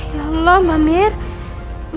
ya allah mbak mirna